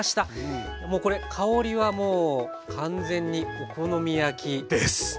もうこれ香りはもう完全にお好み焼き。です！